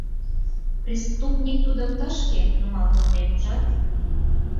Преступник тудым тышке нумал конден, ужат?